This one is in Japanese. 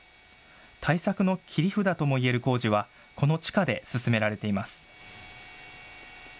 対策の切り札ともいえる工事はこの地下で進められています。